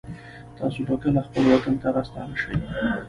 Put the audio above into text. تاسو به کله خپل وطن ته راستانه شئ